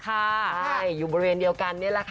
ใช่อยู่บริเวณเดียวกัน